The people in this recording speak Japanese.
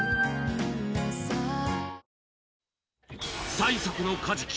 最速のカジキ。